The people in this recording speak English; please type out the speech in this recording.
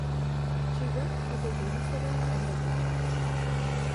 She worked as a babysitter and a waitress.